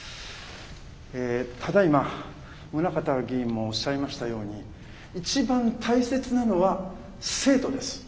ええただいま宗形議員もおっしゃいましたように一番大切なのは生徒です。